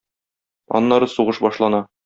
Аннары сугыш башлана.